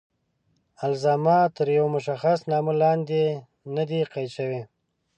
الزاماً تر یوه مشخص نامه لاندې نه دي قید شوي.